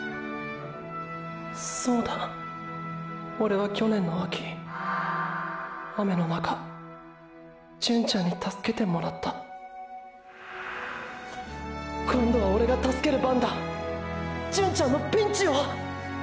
そうだオレは去年の秋ーー雨の中純ちゃんに助けてもらった今度はオレが助ける番だ純ちゃんのピンチを！！